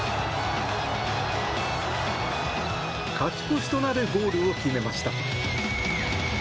勝ち越しとなるゴールを決めました。